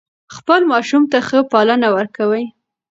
خپل ماشوم ته ښه پالنه ورکوي.